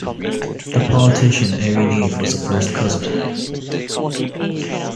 The politician Airey Neave was a first cousin.